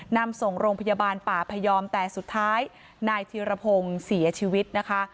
นำส่งโรงพยาบาลป่าพยอมแต่สุดท้ายนายธีรพงศ์เสียชีวิตนะคะ